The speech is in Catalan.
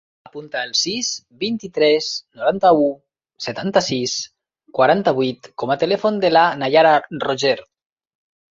Apunta el sis, vint-i-tres, noranta-u, setanta-sis, quaranta-vuit com a telèfon de la Naiara Roger.